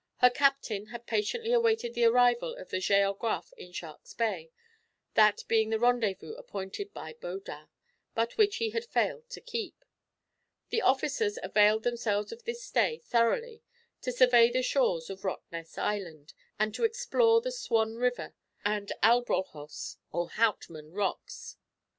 Her captain had patiently awaited the arrival of the Géographe in Shark's Bay, that being the rendezvous appointed by Baudin, but which he had failed to keep. The officers availed themselves of this stay thoroughly to survey the shores of Rottnest Island, and to explore the Swan River, and Albrolhos or Houtman Rocks.